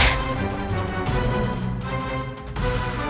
jangan lupa tolong trif adjuster untuk suasanaku